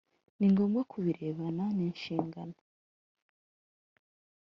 Ni ngombwa ku birebana n inshingano